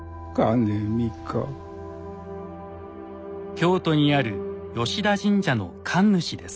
京都にある吉田神社の神主です。